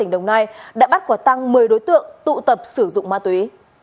đã bắt quả tăng một mươi đối tượng tụ tập sử dụng ma túy